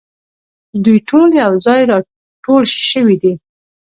دوی ټول یو ځای راټول شوي دي.